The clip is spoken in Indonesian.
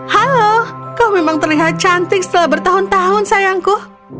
halo kau mempunyai ke prise iman kecantik setelah bertahun tahun sayangku